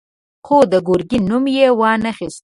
خو د ګرګين نوم يې وانه خيست.